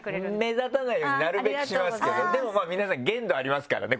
目立たないようになるべくしますけどでも皆さん限度ありますからね